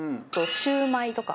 シューマイとか。